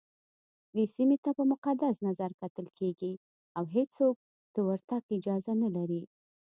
دې سيمي ته په مقدس نظرکتل کېږي اوهيڅوک دورتګ اجازه نه لري